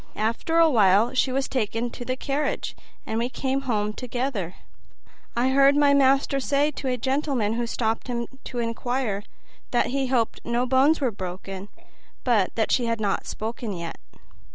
After awhile she was taken to the carriage, and we came home together. I heard my master say to a gentleman who stopped him to inquire, that he hoped no bones were broken, but that she had not spoken yet."